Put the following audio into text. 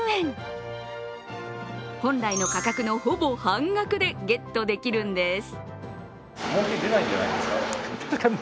本来の価格のほぼ半額でゲットできるんです。